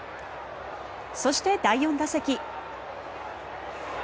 そして、第４打席。